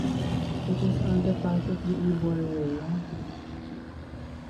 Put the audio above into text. It is on the path of the Ebor Way.